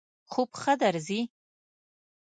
خوب ښه درځی؟